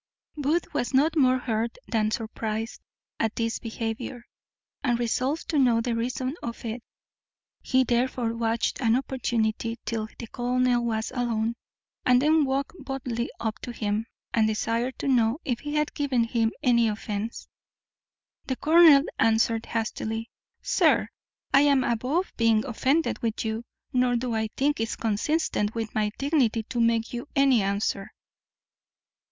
Booth was not more hurt than surprized at this behaviour, and resolved to know the reason of it. He therefore watched an opportunity till the colonel was alone, and then walked boldly up to him, and desired to know if he had given him any offence? The colonel answered hastily, "Sir, I am above being offended with you, nor do I think it consistent with my dignity to make you any answer."